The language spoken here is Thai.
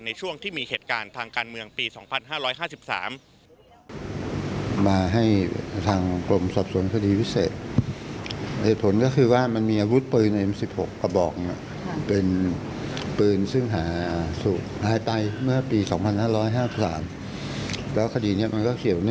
ในปี๒๕๕๓